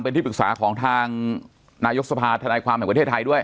เป็นที่ปรึกษาของทางนายกสภาธนายความแห่งประเทศไทยด้วย